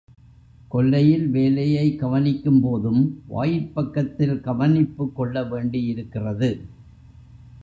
கொல்லையில் வேலையை கவனிக்கும்போதும், வாயிற்பக்கத்தில் கவனிப்புக் கொள்ளவேண்டியிருக்கிறது.